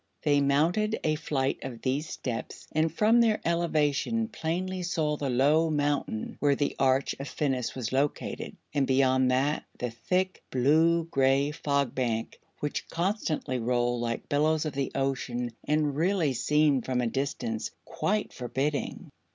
They mounted a flight of these steps and from their elevation plainly saw the low mountain where the Arch of Phinis was located, and beyond that the thick, blue gray Fog Bank, which constantly rolled like billows of the ocean and really seemed, from a distance, quite forbidding.